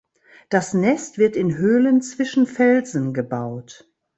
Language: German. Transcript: Das Nest wird in Höhlen zwischen Felsen gebaut.